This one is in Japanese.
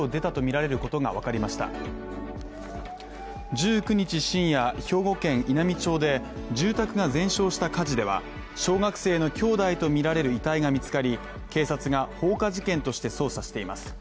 １９日深夜、兵庫県稲美町で住宅が全焼した火事では、小学生の兄弟とみられる遺体が見つかり、警察が放火事件として捜査しています。